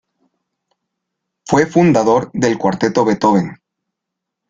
Fue fundador del Cuarteto Beethoven.